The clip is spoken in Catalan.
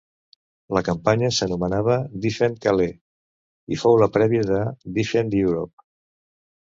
La campanya s’anomenava ‘Defend Calais’ i fou la prèvia de ‘Defend Europe’.